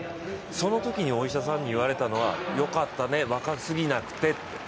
そのときにお医者さんに言われたのはよかったね、若すぎなくてって。